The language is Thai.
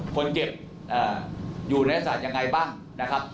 คนเจ็บเอ่ออยู่ในอาสาทยังไงบ้างนะครับ